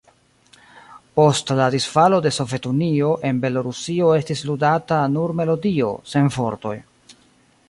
Post la disfalo de Sovetunio en Belorusio estis ludata nur melodio, sen vortoj.